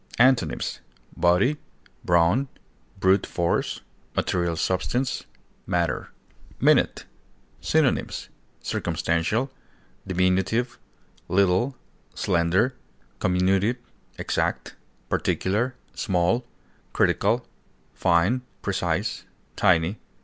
Antonyms: body, brawn, brute force, material substance, matter. MINUTE. Synonyms: circumstantial, diminutive, little, slender, comminuted, exact, particular, small, critical, fine, precise, tiny.